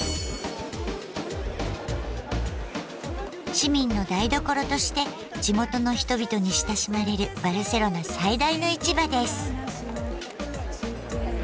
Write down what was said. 市民の台所として地元の人々に親しまれるバルセロナ最大の市場です。